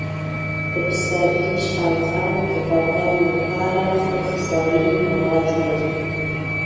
د پسرلي شلغم د بدن لپاره ښه غذايي مواد لري.